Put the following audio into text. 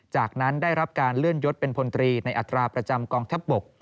จากนั้นได้รับการเลื่อนยศเป็นพลตรีในอัตราประจำกองทัพบก